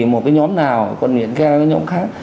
một cái nhóm nào quận huyện kia là nhóm khác